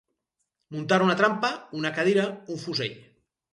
Muntar una trampa, una cadira, un fusell.